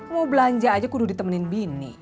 mau belanja aja kudu ditemenin bini